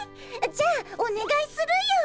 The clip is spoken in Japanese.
じゃあおねがいするよ。